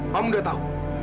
kamu udah tahu